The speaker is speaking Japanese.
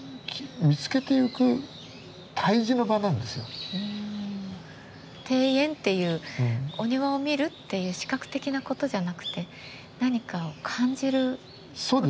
自分の生き方って庭園っていうお庭を見るっていう視覚的なことじゃなくて何かを感じることなんだな。